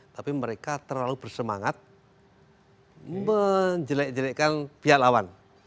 tapi mereka terlalu bersemangat menjelek jelekkan pihak lawan